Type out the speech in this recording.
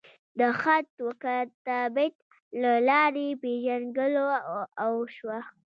د خط وکتابت لۀ لارې پېژنګلو اوشوه